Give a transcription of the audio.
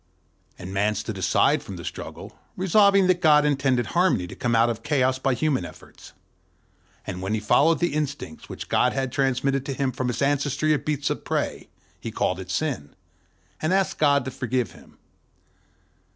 And Man stood aside from the struggle, resolving that God intended harmony to come out of chaos by human efforts. And when he followed the instincts which God had transmitted to him from his ancestry of beasts of prey, he called it Sin, and asked God to forgive him.